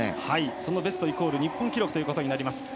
そのベストイコール日本記録ということになります。